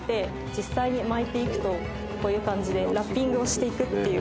実際に巻いていくとこういう感じでラッピングをしていくという。